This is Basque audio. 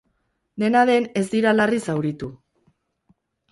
Dena den, ez dira larri zauritu.